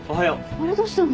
あれどうしたの？